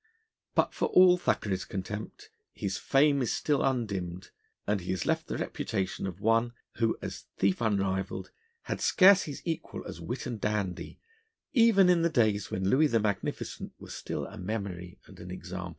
But for all Thackeray's contempt his fame is still undimmed, and he has left the reputation of one who, as thief unrivalled, had scarce his equal as wit and dandy even in the days when Louis the Magnificent was still a memory and an example.